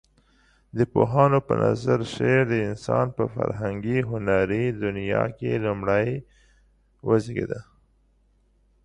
د پوهانو په نظر شعر د انسان په فرهنګي هنري دنيا کې لومړى وزيږيده.